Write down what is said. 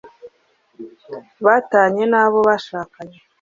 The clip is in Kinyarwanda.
batanye na bo bashakanye